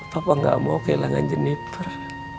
papa gak mau kehilangan jeniper